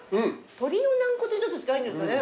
鳥の軟骨にちょっと近いんですかね。